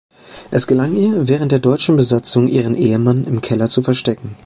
Es gelang ihr, während der deutschen Besatzung ihren Ehemann im Keller zu verstecken.